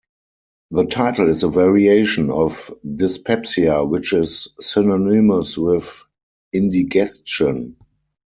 The title is a variation of "dyspepsia", which is synonymous with indigestion.